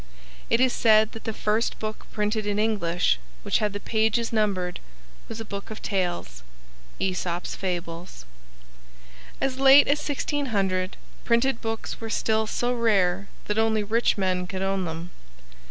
It is said that the first book printed in English which had the pages numbered was a book of tales, "Æsop's Fables." As late as 1600 printed books were still so rare that only rich men could own them.